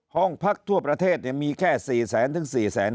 ห้องพักทั่วประเทศมีแค่๔๐๐๐๐๐ถึง๔๐๕๐๐๐